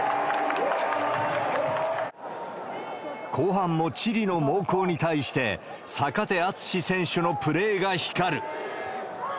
後半もチリの猛攻に対して、坂手淳史選手のプレーが光る。